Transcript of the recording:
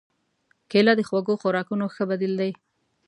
کېله د خوږو خوراکونو ښه بدیل دی.